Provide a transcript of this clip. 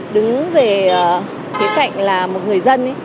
đứng về thế cạnh là một người dân